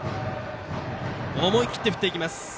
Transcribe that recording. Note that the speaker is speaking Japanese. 思い切って振っていきます。